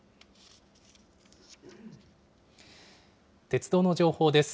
鉄道の情報です。